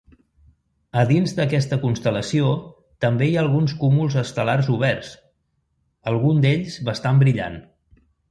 A dins d'aquesta constel·lació també hi ha alguns cúmuls estel·lars oberts, algun d'ells bastant brillant.